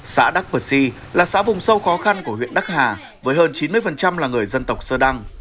xã đắc bờ xì là xã vùng sâu khó khăn của huyện đắc hà với hơn chín mươi là người dân tộc sơ đăng